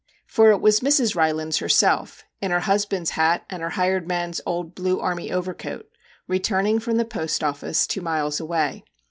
For it was Mrs. Rylands herself, in her husband's hat and her 'hired man's* old blue army overcoat, return ing from the post office two miles away.